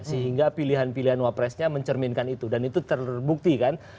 sehingga pilihan pilihan wapresnya mencerminkan itu dan itu terbukti kan